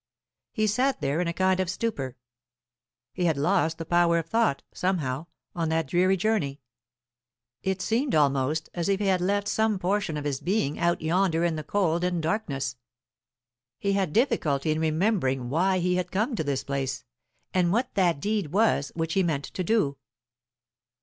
He sat there in a kind of stupor. He had lost the power of thought, somehow, on that dreary journey. It seemed almost as if he had left some portion of his being out yonder in the cold and darkness. He had difficulty in remembering why he had come to this place, and what that deed was which he meant to do.